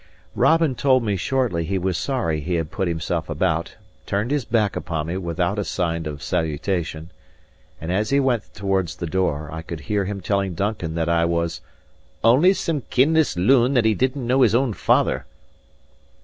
Robin told me shortly he was sorry he had put himself about, turned his back upon me without a sign of salutation, and as he went towards the door, I could hear him telling Duncan that I was "only some kinless loon that didn't know his own father."